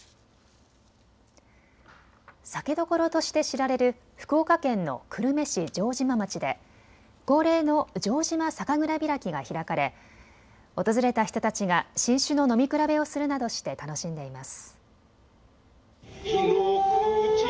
酒どころとして知られる福岡県の久留米市城島町で恒例の城島酒蔵びらきが開かれ訪れた人たちが新酒の飲み比べをするなどして楽しんでいます。